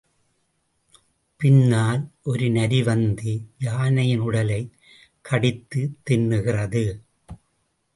பின்னால் ஒரு நரி வந்து யானையின் உடலைக் கடித்துத் தின்னுகிறது.